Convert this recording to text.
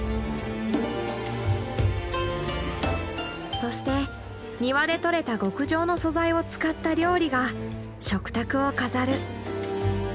そして庭でとれた極上の素材を使った料理が食卓を飾る。